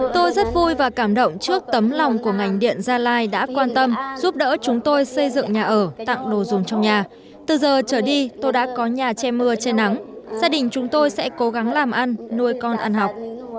tôi rất vui và cảm động trước tấm lòng của ngành điện gia lai đã quan tâm giúp đỡ chúng tôi xây dựng nhà ở tặng đồ dùng trong nhà từ giờ trở đi tôi đã có nhà che mưa che nắng gia đình chúng tôi sẽ cố gắng làm ăn nuôi con ăn học